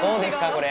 これ。